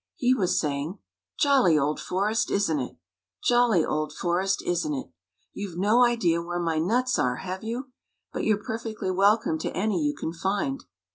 He was saying: " Jolly old forest, isn't it? Jolly old forest, isn't it? You've no idea where my nuts are, have you? But you're perfectly welcome to any you can find."